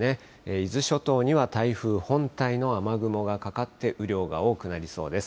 伊豆諸島には台風本体の雨雲がかかって、雨量が多くなりそうです。